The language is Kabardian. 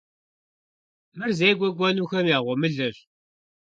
Мыр зекӏуэ кӏуэнухэм я гъуэмылэщ.